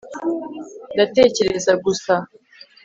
ndatekereza gusa